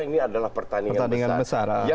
ini adalah pertandingan besar